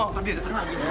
nanti ada yang datang lagi